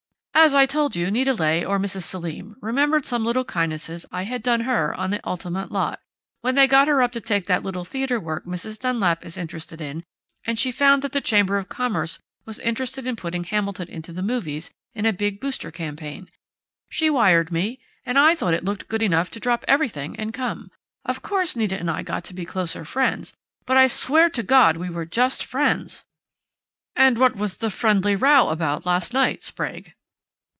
As I told you, Nita Leigh, or Mrs. Selim, remembered some little kindnesses I had done her on the Altamont lot, when they got her to take up that Little Theater work Mrs. Dunlap is interested in, and found that the Chamber of Commerce was interested in putting Hamilton into the movies, in a big booster campaign. She wired me and I thought it looked good enough to drop everything and come.... Of course Nita and I got to be closer friends, but I swear to God we were just friends " "And what was the 'friendly' row about last night, Sprague?"